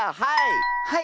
はい！